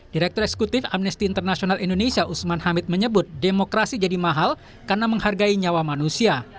direktur eksekutif amnesty international indonesia usman hamid menyebut demokrasi jadi mahal karena menghargai nyawa manusia